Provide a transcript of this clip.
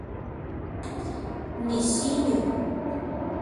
Nisiño